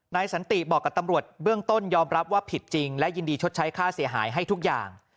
สันติบอกกับตำรวจเบื้องต้นยอมรับว่าผิดจริงและยินดีชดใช้ค่าเสียหายให้ทุกอย่าง